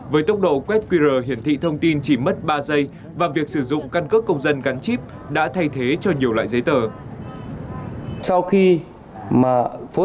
với tốc độ quét qr hiển thị thông tin chỉ mất ba giây và việc sử dụng căn cước công dân gắn chip đã thay thế cho nhiều loại giấy tờ